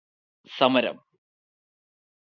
സമരം.